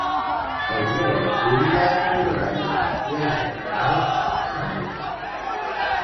Els de l'Alcúdia, morralla, i els de Canals, canalla.